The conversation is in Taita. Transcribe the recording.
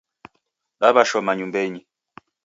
Wadashoma nyumbeni